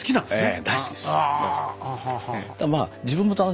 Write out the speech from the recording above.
ええ大好きです。